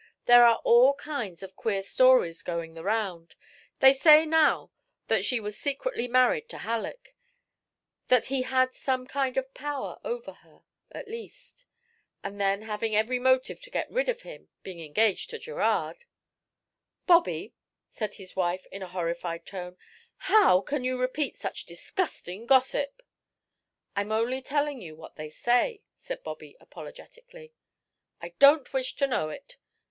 There are all kinds of queer stories going the round. They say now that she was secretly married to Halleck; that he had some kind of power over her, at least; and then having every motive to get rid of him, being engaged to Gerard" "Bobby," said his wife, in a horrified tone "how can you repeat such disgusting gossip?" "I'm only telling you what they say," said Bobby, apologetically. "I don't wish to know it."